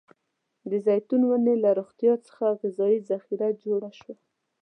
د زیتون ونې له روغتيا څخه غذايي ذخیره جوړه شوه.